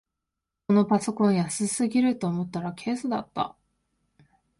このパソコン安すぎると思ったらケースだった